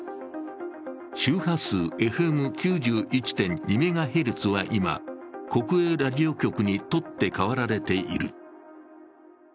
周波数ＦＭ９１．２メガヘルツは今、国営ラジオ局に取って代わられている。